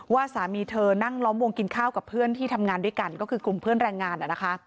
สามีเธอนั่งล้อมวงกินข้าวกับเพื่อนที่ทำงานด้วยกันก็คือกลุ่มเพื่อนแรงงาน